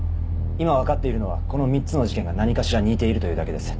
今分かっているのはこの３つの事件が何かしら似ているというだけです。